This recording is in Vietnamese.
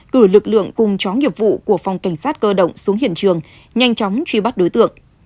cử lực lượng cùng chó nghiệp vụ của phòng cảnh sát cơ động xuống hiện trường nhanh chóng truy bắt đối tượng